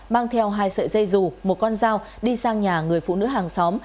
mang theo hai sợi dây dù một con dao đi sang nhà người phụ nữ hàng xóm